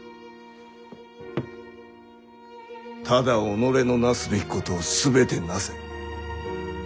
ただ己のなすべきことを全てなせ。